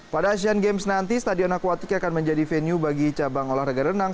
pada asian games nanti stadion akuatik akan menjadi venue bagi cabang olahraga renang